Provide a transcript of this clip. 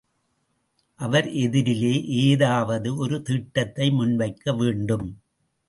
அவர் எதிரிலே ஏதாவது ஒரு திட்டத்தை முன்வைக்க வேண்டும்.